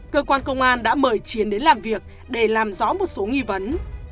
cơ quan công an đã mời chiến đến làm việc để làm rõ một số nghi vấn